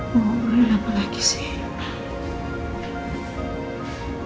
mau obrolin apa lagi sih